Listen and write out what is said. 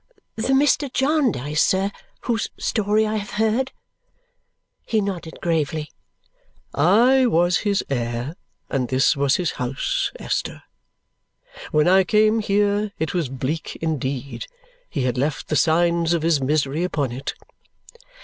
"The Mr. Jarndyce, sir, whose story I have heard?" He nodded gravely. "I was his heir, and this was his house, Esther. When I came here, it was bleak indeed. He had left the signs of his misery upon it."